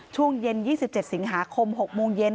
ช่วงเย็น๒๗สิงหาคม๖โมงเย็น